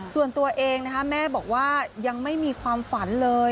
ส่วนตัวเองนะคะแม่บอกว่ายังไม่มีความฝันเลย